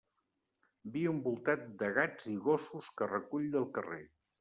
Viu envoltat de gats i gossos que recull del carrer.